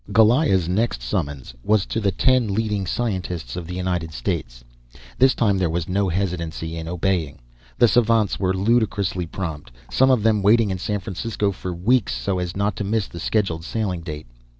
Goliah's next summons was to the ten leading scientists of the United States. This time there was no hesitancy in obeying. The savants were ludicrously prompt, some of them waiting in San Francisco for weeks so as not to miss the scheduled sailing date.